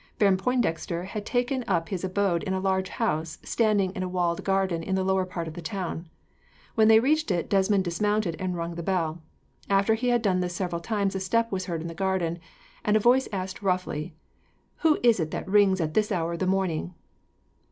Baron Pointdexter had taken up his abode in a large house, standing in a walled garden in the lower part of the town. When they reached it, Desmond dismounted and rung the bell. After he had done this several times, a step was heard in the garden, and a voice asked roughly, "Who is it that rings at this hour of the morning?"